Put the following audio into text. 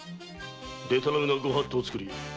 でたらめな御法度を作り罪